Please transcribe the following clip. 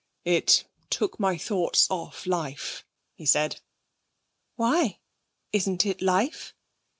'It took my thoughts off life,' he said. 'Why? Isn't it life?'